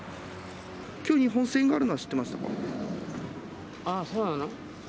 きょう日本戦があるのは知っああ、そうなの？